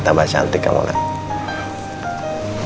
tambah cantik kamu lah